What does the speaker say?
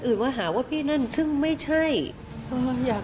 ลองฟังเสียงช่วงนี้ดูค่ะ